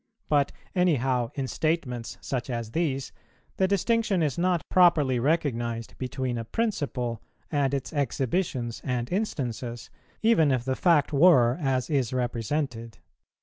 but, any how, in statements such as these the distinction is not properly recognized between a principle and its exhibitions and instances, even if the fact were as is represented.